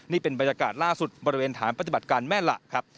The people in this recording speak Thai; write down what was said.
นี่เป็นบรรยากาศล่าสุดบริเวณฐานปฏิบัติการแม่หละครับ